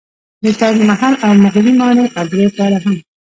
د تاج محل او مغولي ماڼۍ اګره په اړه هم